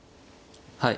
はい。